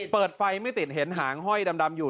เปิดไฟไม่ติดเห็นหางห้อยดำอยู่